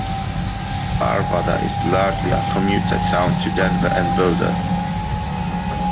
Arvada is largely a commuter town to Denver and Boulder.